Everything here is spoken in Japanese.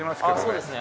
そうですね。